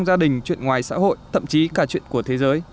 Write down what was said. gia đình chuyện ngoài xã hội thậm chí cả chuyện của thế giới